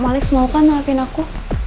om alis mau kan nangkepin aku